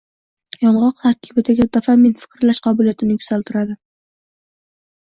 Yong‘oq tarkibidagi dofamin fikrlash qobiliyatini yuksaltiradi.